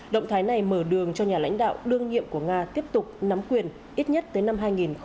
động thái này mở đường cho nhà lãnh đạo đương nhiệm của nga tiếp tục nắm quyền ít nhất tới năm hai nghìn hai mươi